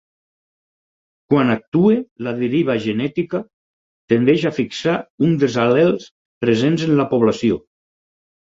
Quan actua la deriva genètica, tendeix a fixar un dels al·lels presents en la població.